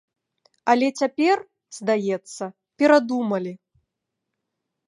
Але цяпер, здаецца, перадумалі.